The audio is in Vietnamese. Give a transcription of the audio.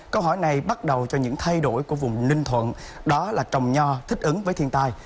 câu hỏi này bắt đầu cho những thay đổi của vùng ninh thuận đó là trồng nho thích ứng với thiên tai